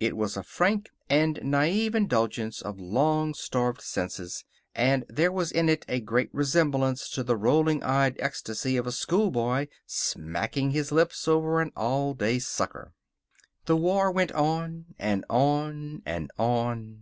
It was a frank and naive indulgence of long starved senses, and there was in it a great resemblance to the rolling eyed ecstasy of a schoolboy smacking his lips over an all day sucker. The war went on, and on, and on.